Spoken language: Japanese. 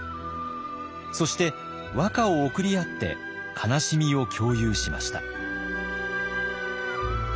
そして和歌を贈り合って悲しみを共有しました。